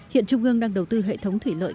hiện trung ương đang đầu tư hệ thống thủy lợi